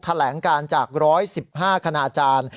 แถลงการจาก๑๑๕คณาจารย์